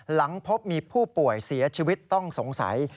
หลังพบมีผู้ป่วยเสียชีวิตต้องสงสัย